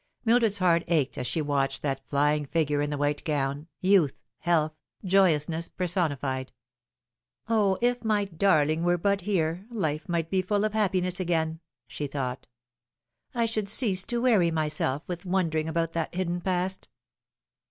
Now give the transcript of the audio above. Mildred's heart ached as she watched that flying figure in the white gown, youth, health, joyousness, personified. " O, if my darling were but here, life might be full of happi ness again," she thought. " I should cease to weary myself with wondering about that hidden past."